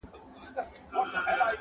• دوه قدمه فاصله ده ستا تر وصله..